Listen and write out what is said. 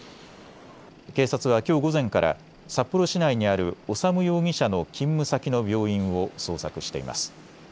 警察はきょう午前から札幌市内にある修容疑者の勤務先の病院を捜索しています。